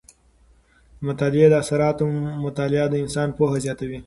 د مطالعې د اثراتو مطالعه د انسان پوهه زیاته وي.